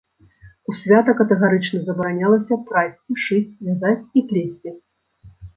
У свята катэгарычна забаранялася прасці, шыць, вязаць і плесці.